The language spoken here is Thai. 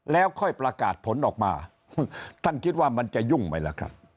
แล้วค่อยประกาศผลออกมาท่านคิดว่ามันจะยุ่งไหมล่ะครับ